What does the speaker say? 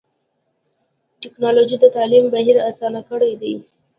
ټکنالوجي د تعلیم بهیر اسان کړی دی.